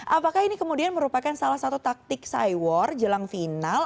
apakah ini kemudian merupakan salah satu taktik cy war jelang final